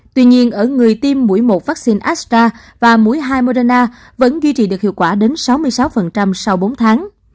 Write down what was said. tuy nhiên ở người tiêm mũi một vaccine astra và mũi hai moderna vẫn duy trì được hiệu quả đến sáu mươi sáu sau bốn tháng